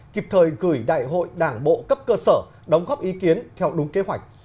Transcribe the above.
kịp thời gửi đại hội đảng bộ cấp cơ sở đóng góp ý kiến theo đúng kế hoạch